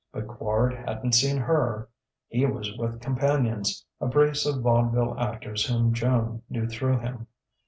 But Quard hadn't seen her. He was with companions, a brace of vaudeville actors whom Joan knew through him.